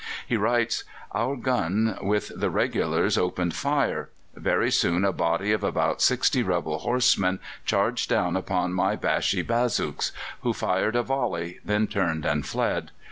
He writes: "Our gun with the regulars opened fire. Very soon a body of about sixty rebel horsemen charged down upon my Bashi Bazouks, who fired a volley, then turned and fled.